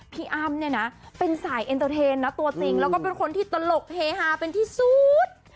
พี่อ้ำเนี่ยนะเป็นสายเอ็นเตอร์เทนนะตัวจริงแล้วก็เป็นคนที่ตลกเฮฮาเป็นที่สุด